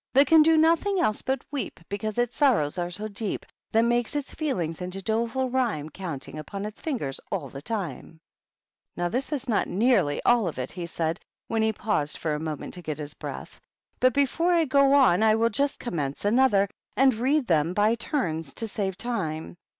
That can do nothing else hut weep^ Because its sorrows are so deep; That makes its feelings into doleful rhyme^ Counting upon its fingers all the time /"" Now this is not nearly all of it," he said, when he paused for a moment to get his breath ;" but, before I go on, I will just commence another, and read them by turns, to save time.